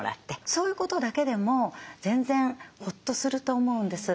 そういうことだけでも全然ほっとすると思うんです。